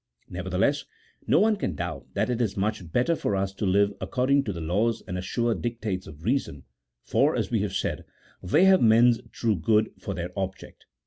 Nevertheless, no one can doubt that it is much better for us to live according to the laws and assured dictates of reason, for, as we said, they have men's true good for their object.